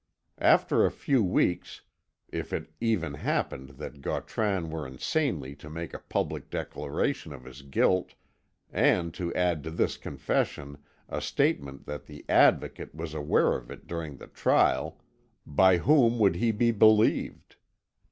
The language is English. After a few weeks, if it even happened that Gautran were insanely to make a public declaration of his guilt, and to add to this confession a statement that the Advocate was aware of it during the trial, by whom would he be believed?